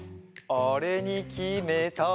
あれにきめた。